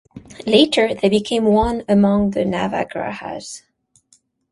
Later they became one among the Navagrahas.